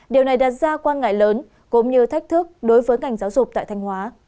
điều này đặt ra quan ngại lớn cũng như thách thức đối với ngành giáo dục tại thanh hóa